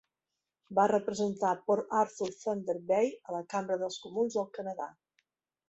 Va representar Port Arthur-Thunder Bay a la Cambra dels Comuns del Canadà.